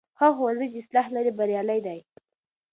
هغه ښوونځی چې اصلاح لري بریالی دی.